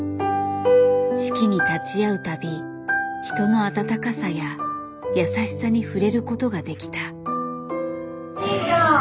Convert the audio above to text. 式に立ち会う度人の温かさや優しさに触れることができた。